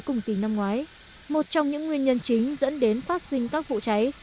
cùng kỳ năm ngoái một trong những nguyên nhân chính dẫn đến phát sinh các vụ cháy